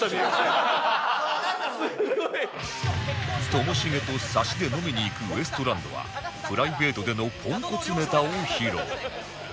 ともしげとサシで飲みに行くウエストランドはプライベートでのポンコツネタを披露